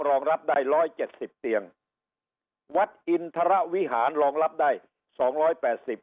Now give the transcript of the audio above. รองรับได้ร้อยเจ็ดสิบเตียงวัดอินทรวิหารรองรับได้สองร้อยแปดสิบ